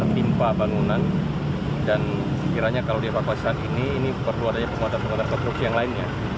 timpa bangunan dan sekiranya kalau dievakuasi saat ini ini perlu adanya penguatan penguatan konstruksi yang lainnya